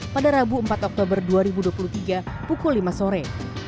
pada rabu empat oktober dua ribu dua puluh tiga pukul lima sore